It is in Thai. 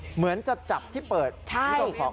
เหมือนจะจับที่เปิดที่โดนของ